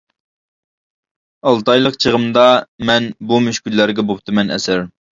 ئالتە ئايلىق چېغىمدا مەن، بۇ مۈشكۈللەرگە بوپتىمەن ئەسىر.